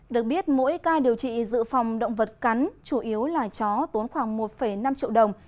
được biết mỗi ca điều trị dự phòng động vật cắn chủ yếu là chó tốn khoảng một năm triệu đồng